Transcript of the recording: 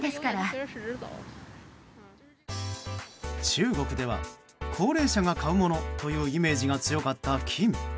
中国では、高齢者が買うものというイメージが強かった金。